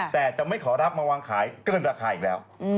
แต่จะไม่ขอรับมาวางขายเกินราคาอีกแล้ว